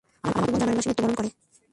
তার মামাতো বোন জানুয়ারি মাসে মৃত্যুবরণ করে।